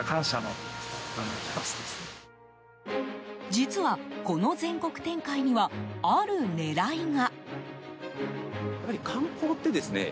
実は、この全国展開にはある狙いが。